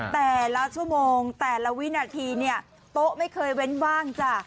แต่ละชั่วโมงแต่ละวินาทีเนี่ยโต๊ะไม่เคยเว้นว่างจ้ะ